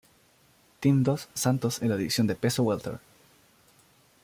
Team dos Santos en la división de peso welter.